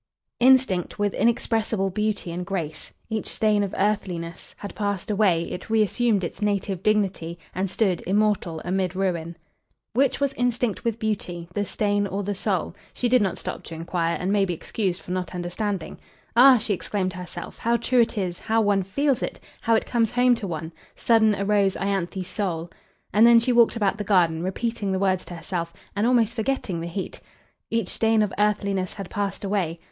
"Instinct with inexpressible beauty and grace, Each stain of earthliness Had passed away, it reassumed Its native dignity, and stood Immortal amid ruin." Which was instinct with beauty, the stain or the soul, she did not stop to inquire, and may be excused for not understanding. "Ah," she exclaimed to herself, "how true it is; how one feels it; how it comes home to one! 'Sudden arose Ianthe's soul!'" And then she walked about the garden, repeating the words to herself, and almost forgetting the heat. "'Each stain of earthliness had passed away.'